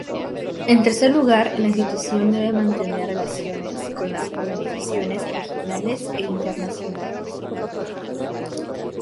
En tercer lugar, la institución debe mantener relaciones con las organizaciones regionales e internacionales.